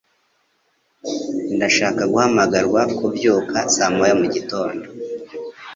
Ndashaka guhamagarwa kubyuka saa moya mugitondo.